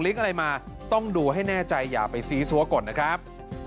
อะไรมาต้องดูให้แน่ใจอย่าไปซีซัวก่อนนะครับ